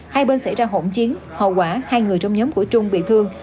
hai bên xảy ra hỗn chiến hậu quả hai người trong nhóm của trung bị thương